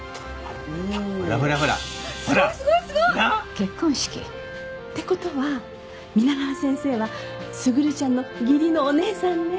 結婚式。って事は皆川先生は卓ちゃんの義理のお姉さんね！